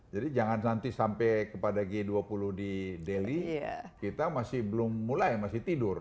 jadi jangan nanti sampai kepada g dua puluh di delhi kita masih belum mulai masih tidur